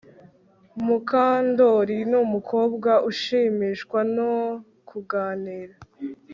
Mukandoli numukobwa ushimishwa no kuganira